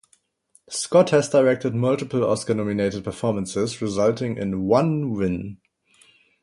Scott has directed multiple Oscar nominated performances resulting in one win.